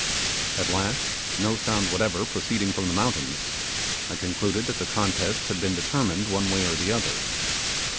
At last, no sound whatever proceeding from the mountains, I concluded that the contest had been determined one way or the other.